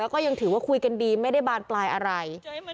แล้วก็ยังถือว่าคุยกันดีไม่ได้บานปลายอะไร